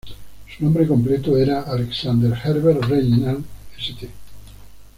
Su nombre completo era Alexander Herbert Reginald St.